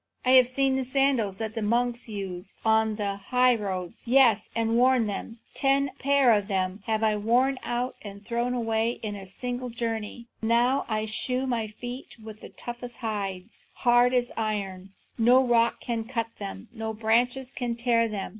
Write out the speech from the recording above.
I have seen the sandals that the monks use on the highroads, yes, and worn them; ten pair of them have I worn out and thrown away in a single journey. Now I shoe my feet with the toughest hides, hard as iron; no rock can cut them, no branches can tear them.